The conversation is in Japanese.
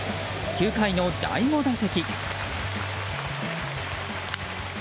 ９回の第５打席。